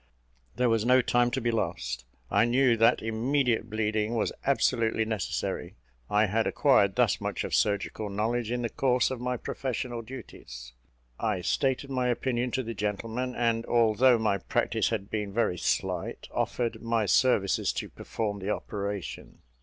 There was no time to be lost; I knew that immediate bleeding was absolutely necessary. I had acquired thus much of surgical knowledge in the course of my professional duties. I stated my opinion to the gentleman; and although my practice had been very slight, offered my services to perform the operation.